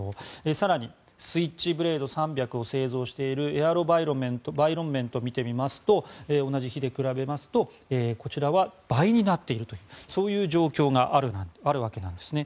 更にスイッチブレード３００を製造しているエアロバイロンメントを見てみますと同じ日で比べますとこちらは倍になっているというそういう状況があるわけです。